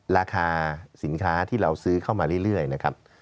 ราคาสินค้าที่เราซื้อเข้ามาเรื่อยนะครับ